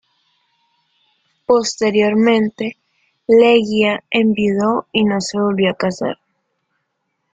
Posteriormente, Leguía enviudó y no se volvió a casar.